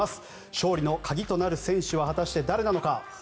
勝利の鍵となる選手は果たして誰なのか。